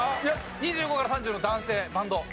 ２５から３０の男性バンド。